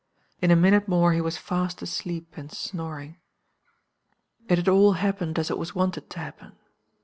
In a minute more he was fast asleep and snoring. "It had all happened as it was wanted to happen.